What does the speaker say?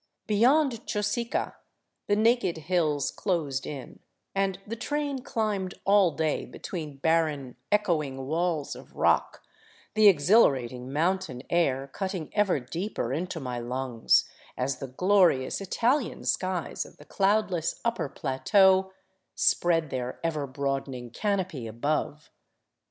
Beyond Chosica the naked hills closed in, and the train climbed all day between barren, echoing walls of rock, the exhilarat ing mountain air cutting ever deeper into my lungs, as the glorious Italian skies of the cloudless upper plateau spread their ever broad ening canopy above.